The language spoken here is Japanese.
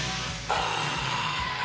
あ！